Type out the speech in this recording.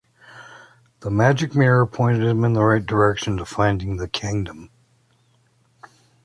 The magic mirror pointed him in the right direction to finding the kingdom.